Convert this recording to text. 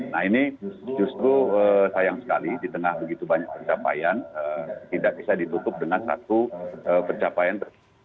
nah ini justru sayang sekali di tengah begitu banyak pencapaian tidak bisa ditutup dengan satu pencapaian